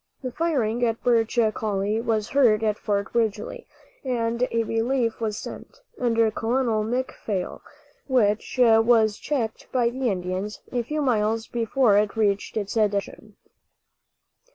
The firing at Birch Coulie was heard at Fort Ridgely, and a relief was sent, under Colonel McPhail, which was checked by the Indians a few miles before it reached its destination.